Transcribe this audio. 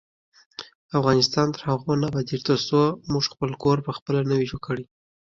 افغانستان تر هغو نه ابادیږي، ترڅو موږ خپل کور پخپله نه وي جوړ کړی.